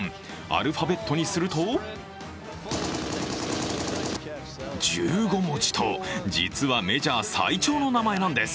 アルファベットにすると１５文字と、実はメジャー最長の名前なんです。